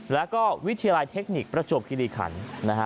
แล้วก็วิทยาลัยเทคนิคประจวบคิริขันนะฮะ